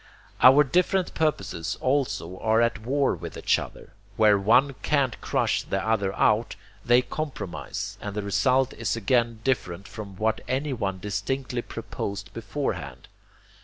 Our different purposes also are at war with each other. Where one can't crush the other out, they compromise; and the result is again different from what anyone distinctly proposed beforehand.